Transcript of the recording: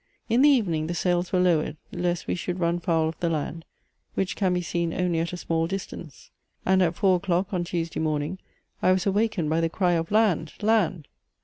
In the evening the sails were lowered, lest we should run foul of the land, which can be seen only at a small distance. And at four o'clock, on Tuesday morning, I was awakened by the cry of "land! land!"